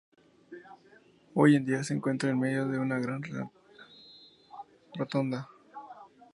Hoy en día se encuentra en medio de una gran rotonda.